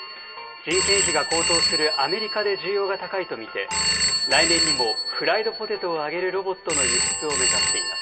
人件費が高騰するアメリカで需要が高いと見て、来年にもフライドポテトを揚げるロボットの輸出を目指しています。